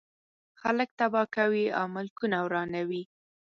خلک تباه کوي او ملکونه ورانوي.